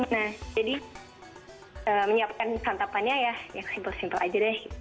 nah jadi menyiapkan santapannya ya simple simple aja deh